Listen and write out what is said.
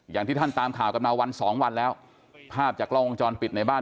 อย่างที่ท่านตามข่าวกันมาวันสองวันแล้วภาพจากกล้องวงจรปิดในบ้าน